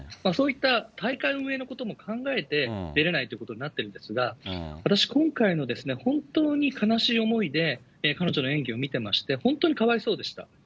そういった大会運営のことも考えて、出れないっていうことになっているんですが、私、今回の本当に悲しい思いで彼女の演技を見てまして、本当にかわいそうでした。